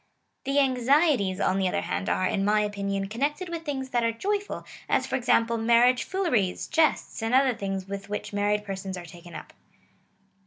The anxieties, on the other hand, are, in my opinion, connected with things that are joyful, as for example mar riage fooleries, jests, and other things with which married persons are taken up.